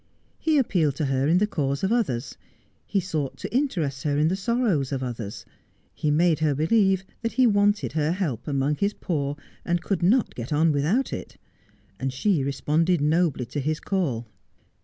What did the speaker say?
He appealed to her in the cause of others ; he sought to interest her in the sorrows of others ; he made her believe that he wanted her help among his poor and could not get on without it ; and she responded nobly to his call.